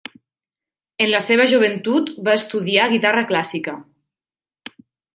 En la seva joventut va estudiar guitarra clàssica.